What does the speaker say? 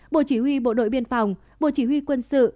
bộ chỉ huy bộ đội biên phòng bộ chỉ huy quân sự